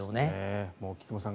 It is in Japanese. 菊間さん